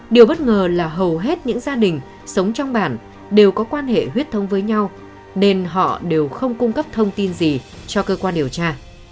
điều bất ngờ là hầu hết những gia đình sống trong bản đều có quan hệ huyết thông với nhau nên họ đều không cung cấp thông tin gì cho cơ quan điều tra